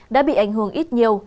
đã bị ảnh hưởng ít nhiều